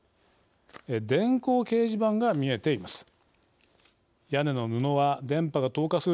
電光掲示板が見えています。